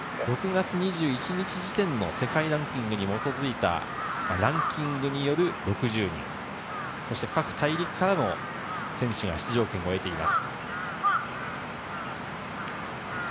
６月２１日時点の世界ランキングに基づいたランキングによる６０人、そして、各大陸からの選手が出場権を得ています。